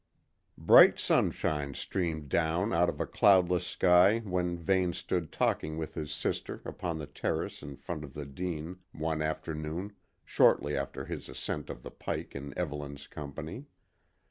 Bright sunshine streamed down out of a cloudless sky when Vane stood talking with his sister upon the terrace in front of the Dene one afternoon shortly after his ascent of the Pike in Evelyn's company.